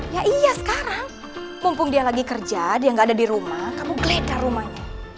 ya iya sekarang mumpung dia lagi kerja dia nggak ada di rumah kamu gelekar rumahnya